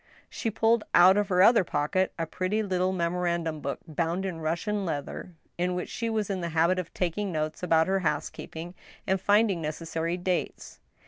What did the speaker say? She pulled out of her other pocket a pretty little memorandum book bound in Russia leather, in which she was in the habit of taking notes about her housekeeping, and finding necessary 124 ^^^ STEEL HAMMER. dates.